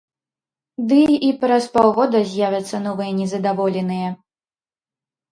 Ды і праз паўгода з'явяцца новыя незадаволеныя.